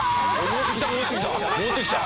戻ってきた